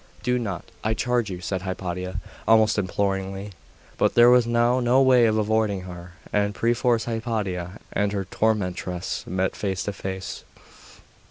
'Do not! I charge you!' said Hypatia, almost imploringly. But there was now no way of avoiding her, and perforce Hypatia and her tormentress met face to face.